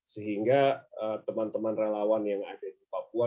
sehingga teman teman relawan yang ada di papua